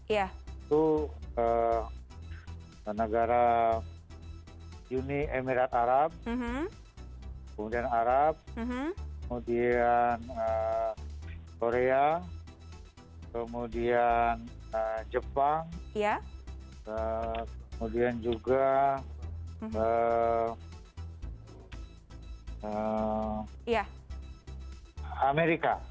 itu negara uni emirat arab kemudian arab kemudian korea kemudian jepang kemudian juga amerika